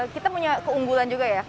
kita punya keunggulan juga ya